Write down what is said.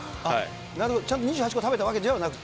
ちゃんと２８個食べたわけじゃなくて？